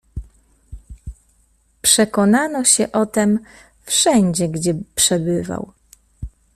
"Przekonano się o tem wszędzie, gdzie przebywał."